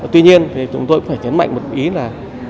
tuy nhiên thì chúng tôi cũng phải nhấn mạnh một ý là